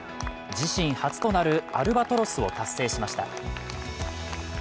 自身初となるアルバトロスを達成しました。